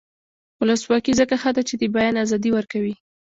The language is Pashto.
ولسواکي ځکه ښه ده چې د بیان ازادي ورکوي.